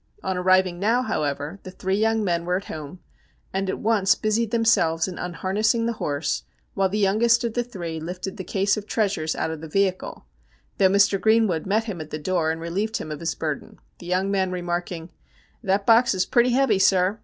On arriving now, however, the three young men were at home, and at once busied themselves in unharnessing the horse, while the youngest of the three lifted the case of treasures out of the vehicle, though Mr. Greenwood met him at the door and relieved him of his burden, the young man remarking :' That box is pretty heavy, sir.